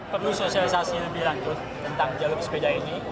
perlu sosialisasi lebih lanjut tentang jalur sepeda ini